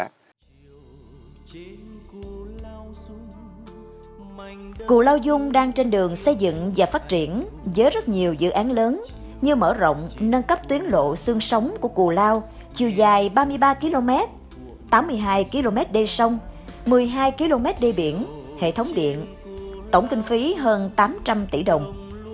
cụ lao dung đang trên đường xây dựng và phát triển với rất nhiều dự án lớn như mở rộng nâng cấp tuyến lộ xương sống của cụ lao chiều dài ba mươi ba km tám mươi hai km đê sông một mươi hai km đê biển hệ thống điện tổng kinh phí hơn tám trăm linh tỷ đồng